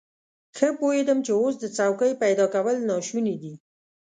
ښه پوهېدم چې اوس د څوکۍ پيدا کول ناشوني دي.